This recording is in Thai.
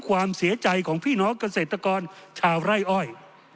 ความเสียใจของพี่น้องเกษตรกรชาวไร่อ้อย